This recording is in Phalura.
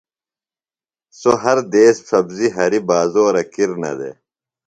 سوۡ ہر دیس سبزیۡ ہریۡ بازورہ کِرنہ دےۡ۔